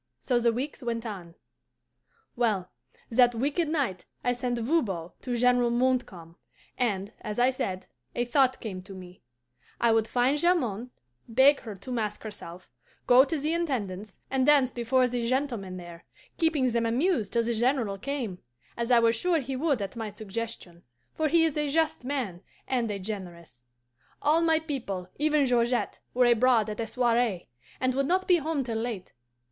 So the weeks went on. "Well, that wicked night I sent Voban to General Montcalm, and, as I said, a thought came to me: I would find Jamond, beg her to mask herself, go to the Intendance, and dance before the gentlemen there, keeping them amused till the General came, as I was sure he would at my suggestion, for he is a just man and a generous. All my people, even Georgette, were abroad at a soiree, and would not be home till late.